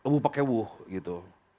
wuh pakai wuh gitu